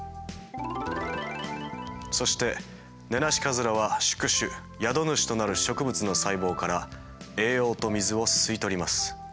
そしてネナシカズラは宿主宿主となる植物の細胞から栄養と水を吸い取ります。